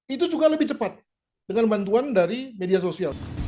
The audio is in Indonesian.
itu juga lebih cepat dengan bantuan dari media sosial